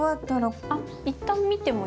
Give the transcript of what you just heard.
あっ一旦見てもいいですか？